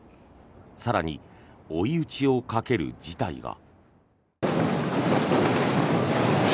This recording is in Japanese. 更に追い打ちをかける事態が。